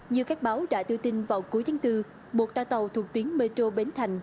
như các báo đã đưa tin vào cuối tháng bốn một toa tàu thuộc tuyến metro bến thành